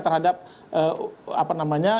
terhadap apa namanya